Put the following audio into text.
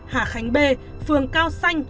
hà khánh b phường cao xanh